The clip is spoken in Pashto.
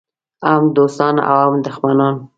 هم دوستان او هم دښمنان.